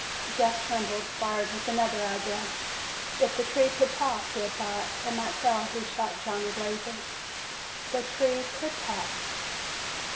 Jeff trembled, fired with another idea. If the tree could talk, he had thought, it might tell who shot Johnny Blazer. _The tree could talk!